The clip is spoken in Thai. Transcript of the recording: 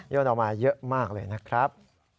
ออกมาเยอะมากเลยนะครับ